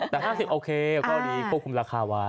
แต่๕๐โอเคก็ดีควบคุมราคาไว้